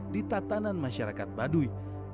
di tatanan masyarakat baduy